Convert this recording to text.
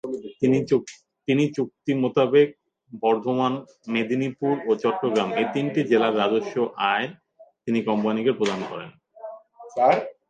চুক্তি মোতাবেক বর্ধমান, মেদিনীপুর ও চট্টগ্রাম এ তিনটি জেলার রাজস্ব আয় তিনি কোম্পানিকে প্রদান করেন।